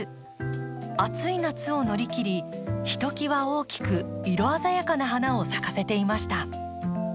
暑い夏を乗り切りひときわ大きく色鮮やかな花を咲かせていました。